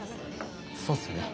そうっすよね。